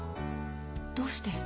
どうして